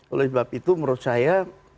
oleh sebab itu menurut saya